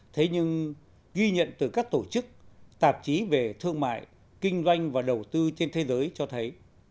thế nhưng ghi nhận từ các tổ chức tạp chí về thương mại kinh doanh và đầu tư trên thế giới cho thấy